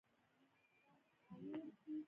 افغانستان کې انګور په هنري اثارو کې منعکس کېږي.